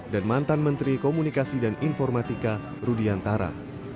dan mantan menteri komunikasi dan informatika rudiantara